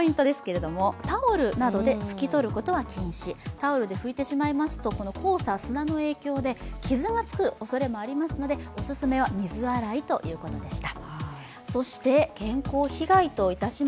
タオルで拭いてしまいますと黄砂、砂の影響で傷がつくおそれもありますので、オススメは水洗いということでした。